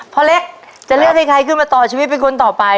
พ่อเล็กจะเลือกให้ใครขึ้นมาต่อชีวิตเป็นคนต่อไป